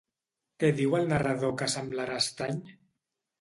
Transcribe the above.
Què diu el narrador que semblarà estrany?